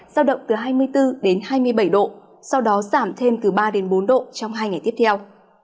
giao động từ hai mươi bốn đến hai mươi bảy độ sau đó giảm thêm từ ba đến bốn độ trong hai ngày tiếp theo